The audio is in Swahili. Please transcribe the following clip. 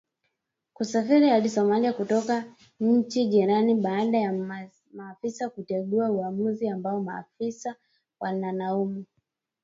kusafiri hadi Somalia kutoka nchi jirani baada ya maafisa kutengua uamuzi ambao maafisa wanalaumu